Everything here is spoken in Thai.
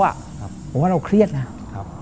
ผมว่าเราเครียดนะ